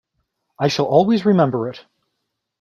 I shall always remember it.